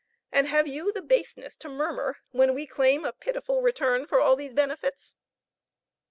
and have you the baseness to murmur, when we claim a pitiful return for all these benefits?"